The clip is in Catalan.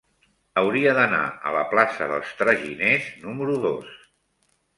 Hauria d'anar a la plaça dels Traginers número dos.